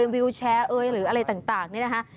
วิวแชร์เอ้ยหรืออะไรต่างนี่นะคะ